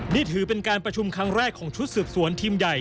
นี่ถือเป็นการประชุมครั้งแรกของชุดสืบสวนทีมใหญ่